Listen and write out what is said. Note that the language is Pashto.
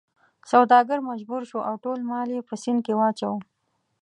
سوداګر مجبور شو او ټول مال یې په سیند کې واچاوه.